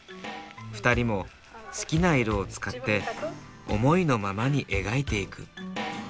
２人も好きな色を使って思いのままに描いていく。